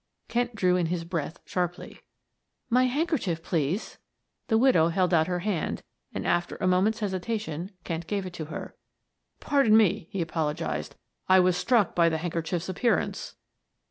Kent drew in his breath sharply. "My handkerchief, please," the widow held out her hand, and after a moment's hesitation, Kent gave it to her. "Pardon me," he apologized. "I was struck by the handkerchief's appearance."